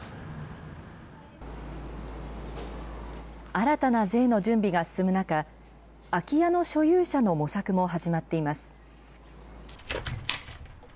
新たな税の準備が進む中、空き家の所有者の模索も始まっています。